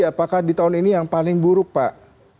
apakah di tahun ini yang paling buruk pak